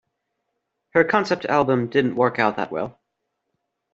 Her concept album didn't work out that well.